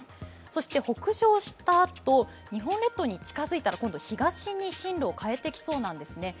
そして北上したあと、日本列島に近づいたら、今度は東に進路を変えてきそうなんですね。